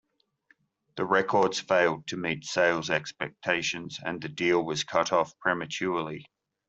The records failed to meet sales expectations, and the deal was cut off prematurely.